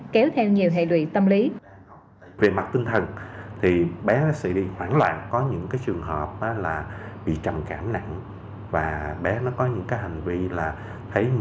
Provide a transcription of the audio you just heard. kéo theo nhiều hệ lụy tâm lý